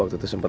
aku tidak capok